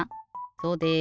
そうです！